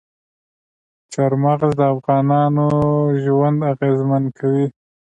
چار مغز د افغانانو ژوند اغېزمن کوي.